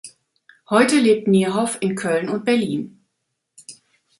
Heute lebt Nierhoff in Köln und Berlin.